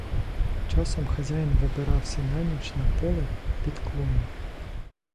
Часом хазяїн вибирався на ніч на поле, під клуні.